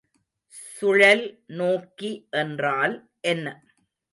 சுழல்நோக்கி என்றால் என்ன?